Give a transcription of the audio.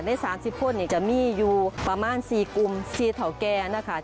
ใน๓๐คนจะมีอยู่ประมาณ๔กลุ่มเสียเท่าแก่นะคะ